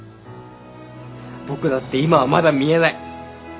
僕だって今はまだ見えない。